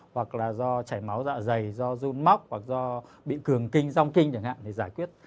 hoặc là do chảy máu dạ dày do run móc hoặc do bị cường kinh rong kinh chẳng hạn thì giải quyết